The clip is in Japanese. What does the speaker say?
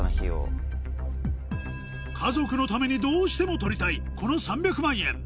家族のためにどうしても取りたいこの３００万円